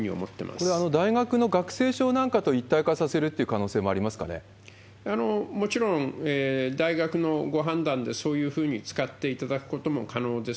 これは大学の学生証なんかと一体化させるっていう可能性もあもちろん大学のご判断でそういうふうに使っていただくことも可能です。